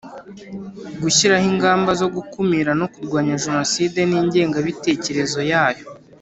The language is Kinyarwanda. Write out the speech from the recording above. Gushyiraho ingamba zo gukumira no kurwanya Jenoside n ingengabitekerezo yayo